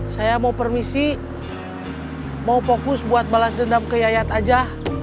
saya mau permisi mau fokus buat balas dendam ke yayat aja